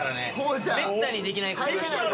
めったにできないことらしい。